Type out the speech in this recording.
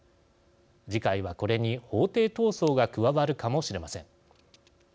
次回はこれに法廷闘争が加わるかもしれません。